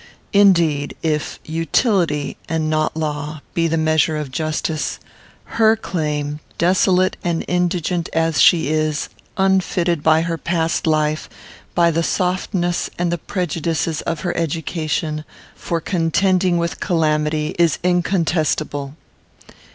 Indeed, if utility, and not law, be the measure of justice, her claim, desolate and indigent as she is, unfitted, by her past life, by the softness and the prejudices of her education, for contending with calamity, is incontestable.